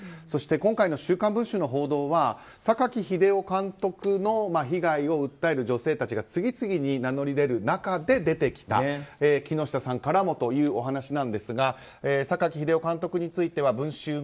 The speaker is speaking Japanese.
そして今回の「週刊文春」の報道は榊英雄監督の被害を訴える女性たちが次々に名乗り出る中で出てきた木下さんからもというお話なんですが榊英雄監督については「文春